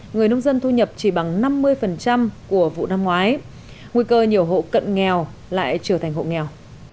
người nông dân thu nhập chỉ bằng năm mươi của vụ năm ngoái nguy cơ nhiều hộ cận nghèo lại trở thành hộ nghèo